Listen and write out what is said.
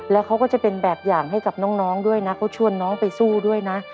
แล้วเขาก็จะเป็นแบบอย่างให้กับน้องด้วยนะเขาชวนน้องไปสู้ด้วยนะ